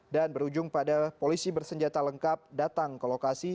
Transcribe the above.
dan berujung pada polisi bersenjata lengkap datang ke lokasi